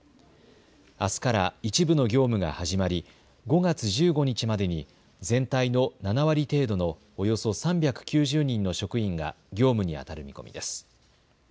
あすから一部の業務が始まり５月１５日までに全体の７割程度のおよそ３９０人の職員が業務にあたる見込みです。